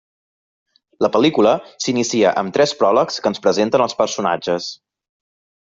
La pel·lícula s'inicia amb tres pròlegs que ens presenten els personatges.